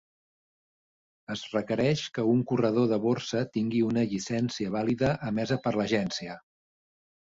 Es requereix que un corredor de borsa tingui una llicència vàlida emesa per l'Agència.